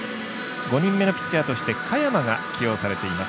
５人目のピッチャーとして嘉弥真が起用されています。